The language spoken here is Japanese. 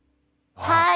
はい。